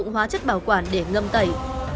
hóa chất bảo quản để ngâm tẩy